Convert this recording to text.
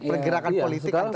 pergerakan politik antara